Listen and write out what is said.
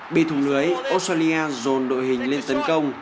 bị thùng lưới australia dồn đội hình lên tấn công